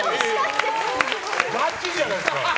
ガチじゃないですか。